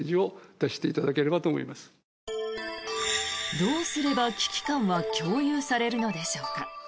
どうすれば危機感は共有されるのでしょうか。